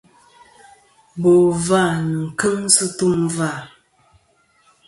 Bò vâ nɨn kɨŋ sɨ tum vâ.